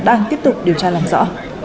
đang tiếp tục điều tra làm rõ